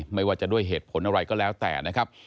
ไม่ว่าจะด้วยเหตุผลอะไรก็แล้วแต่นะครับ